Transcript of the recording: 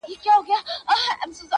د وړې اوسپني زور نه لري لوېږي-